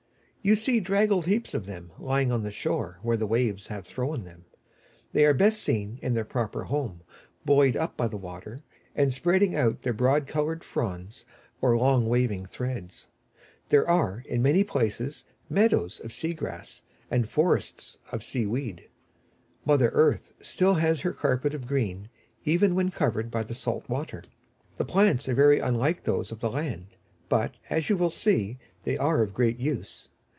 You see draggled heaps of them, lying on the shore where the waves have thrown them. They are best seen in their proper home, buoyed up by the water, and spreading out their broad coloured fronds, or long waving threads. There are, in many places, meadows of Sea grass, and forests of Sea weed! Mother Earth still has her carpet of green, even when covered by the salt water. The plants are very unlike those of the land, but, as you will see, they are of great use.